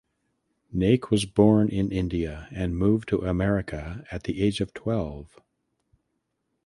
Naik was born in India and moved to America at the age of twelve.